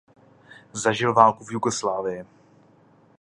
Zažil válku v Jugoslávii.